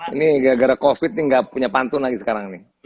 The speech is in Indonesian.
ini gara gara covid ini nggak punya pantun lagi sekarang nih